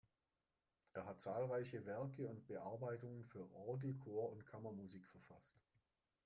Er hat zahlreiche Werke und Bearbeitungen für Orgel, Chor und Kammermusik verfasst.